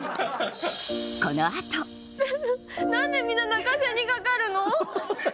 この後何でみんな泣かせにかかるの？